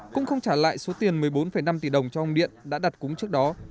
cũng không trả lại số tiền một mươi bốn năm tỷ đồng cho ông điện đã đặt cúng trước đó